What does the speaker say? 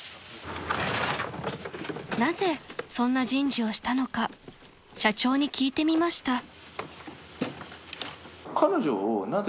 ［なぜそんな人事をしたのか社長に聞いてみました］